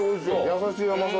優しい甘さで。